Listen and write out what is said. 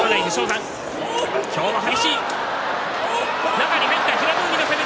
中に入った平戸海の攻め。